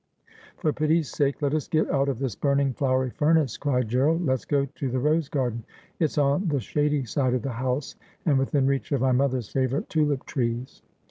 ' For pity's sake let us get out of this burning flowery furnace,' cried Gerald. ' Let's go to the rose garden ; it's on the shady side of the house, and within reach of my mother's favourite tulip trees.'